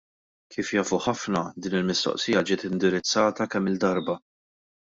Kif jafu ħafna din il-mistoqsija ġiet indirizzata kemm-il darba.